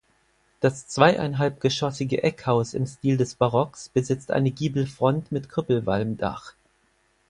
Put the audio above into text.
Das zweieinhalbgeschossige Eckhaus im Stil des Barocks besitzt eine Giebelfront mit Krüppelwalmdach.